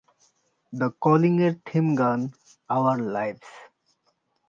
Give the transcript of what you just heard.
The calling এর theme গান "our lives".